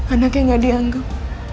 anaknya gak dianggap